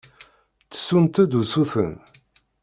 Ttessunt-d usuten.